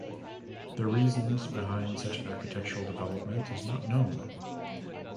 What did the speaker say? The reasons behind such an architectural development is not known.